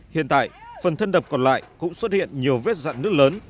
hiện tại phần thân đập còn lại cũng xuất hiện nhiều vết dạng nước lớn